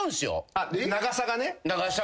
あっ長さがね？